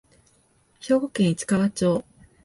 兵庫県市川町